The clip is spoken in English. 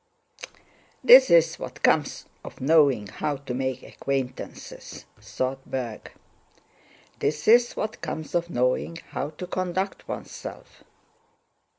"This is what comes of knowing how to make acquaintances," thought Berg. "This is what comes of knowing how to conduct oneself."